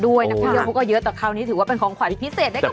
ด้วยนะวิ่งก็เยอะแต่คราวนี้ถือว่าเป็นของขวัญพิเศษ